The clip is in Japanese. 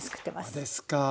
そうですか。